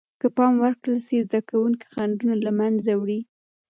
که پام ورکړل سي، زده کوونکي خنډونه له منځه وړي.